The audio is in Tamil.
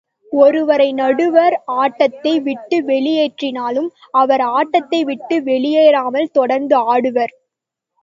ஒருவரை நடுவர் ஆட்டத்தை விட்டு வெளியேற்றினாலும், அவர் ஆட்டத்தைவிட்டு வெளியேறாமல் தொடர்ந்து ஆடுவார்.